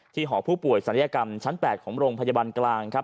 หอผู้ป่วยศัลยกรรมชั้น๘ของโรงพยาบาลกลางครับ